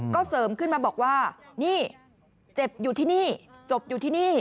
ก็เสริมขึ้นมาบอกว่านี่เจ็บอยู่ที่นี่จบอยู่ที่นี่